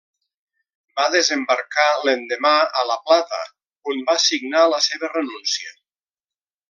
Va desembarcar l'endemà a La Plata, on va signar la seva renúncia.